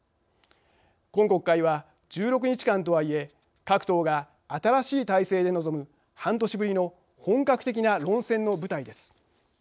今国会は１６日間とはいえ各党が新しい体制で臨む半年ぶりの本格的な論戦の舞台です。